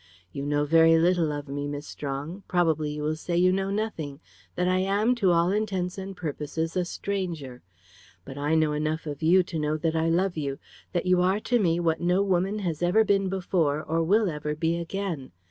You know very little of me, Miss Strong. Probably you will say you know nothing that I am, to all intents and purposes, a stranger. But I know enough of you to know that I love you: that you are to me what no woman has ever been before, or will ever be again.